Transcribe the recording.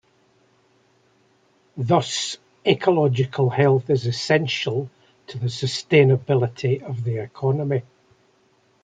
Thus, ecological health is essential to the sustainability of the economy.